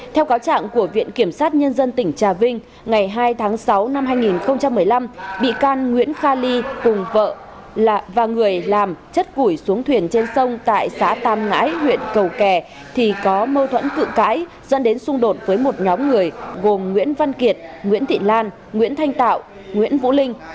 theo cáo chẳng của viện kiểm sát nhân dân tỉnh trà vinh ngày hai tháng sáu năm hai nghìn một mươi năm bị can nguyễn kha ly cùng vợ và người làm chất gủi xuống thuyền trên sông tại xã tam ngãi huyện cầu kè thì có mơ thuẫn cự cãi dẫn đến xung đột với một nhóm người gồm nguyễn văn kiệt nguyễn thị lan nguyễn thanh tạo nguyễn vũ linh